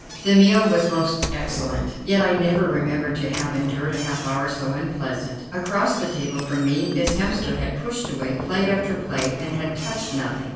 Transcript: The meal was most excellent, yet I never remember to have endured a half hour so unpleasant. Across the table from me, Miss Hemster had pushed away plate after plate and had touched nothing.